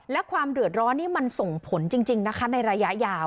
และความเดือดร้อนนี่มันส่งผลจริงนะคะในระยะยาว